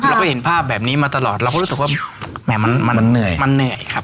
เราก็เห็นภาพแบบนี้มาตลอดเราก็รู้สึกว่าแหม่มันเหนื่อยครับ